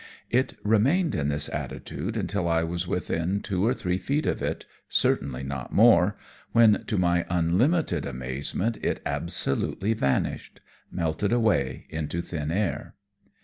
It remained in this attitude until I was within two or three feet of it certainly not more when, to my unlimited amazement, it absolutely vanished melted away into thin air.